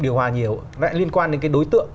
điều hòa nhiều lại liên quan đến cái đối tượng